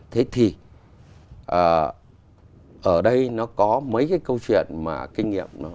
thế thì ở đây nó có mấy cái câu chuyện mà kinh nghiệm nó đề ra